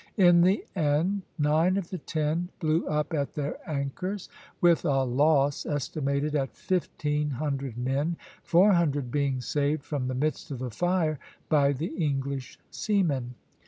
In the end, nine of the ten blew up at their anchors, with a loss estimated at fifteen hundred men, four hundred being saved from the midst of the fire by the English seamen.